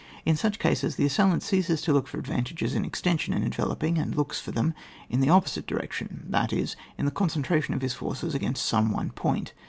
In such cases, the assailant ceases to look for advantages in extension and enveloping, and looks for them in the opposite direction, that is, in the concen tration of his forces against some one point.